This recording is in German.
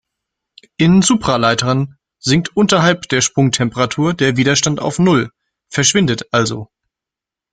In Supraleitern sinkt unterhalb der Sprungtemperatur der Widerstand auf null, verschwindet also.